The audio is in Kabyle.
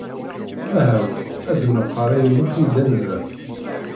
Aha-w ad nḍeqqer ayen akk yellan da.